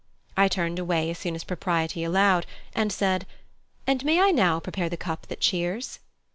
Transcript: I turned away as soon as propriety allowed and said "And may I now prepare the cup that cheers?"